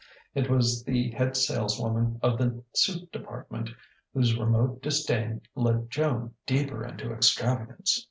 It was the head saleswoman of the suit department whose remote disdain led Joan deeper into extravagance.